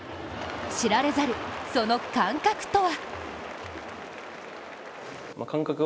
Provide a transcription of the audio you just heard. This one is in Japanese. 知られざる、その感覚とは？